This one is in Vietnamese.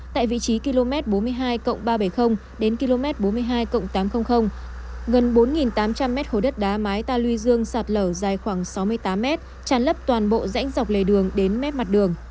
tại vị trí km bốn mươi hai ba trăm bảy mươi đến km bốn mươi hai tám trăm linh gần bốn tám trăm linh mét khối đất đá mái ta lưu dương sạt lở dài khoảng sáu mươi tám mét tràn lấp toàn bộ rãnh dọc lề đường đến mép mặt đường